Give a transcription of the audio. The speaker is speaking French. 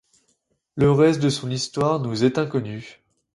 Le reste de son histoire nous est inconnu.